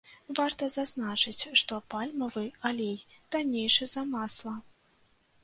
Варта зазначыць, што пальмавы алей таннейшы за масла.